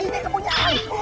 ini ke punya aku